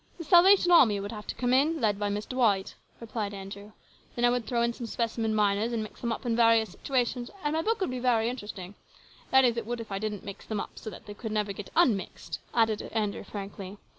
" The Salvation Army would have to come in, led by Miss Dwight," replied Andrew. "Then I would throw in some specimen miners and mix them up in various situations, and my book would be very interesting : that is, it would if I didn't mix them up 172 HIS BROTHER'S KEEPER. so that they never could get unmixed," added Andrew frankly.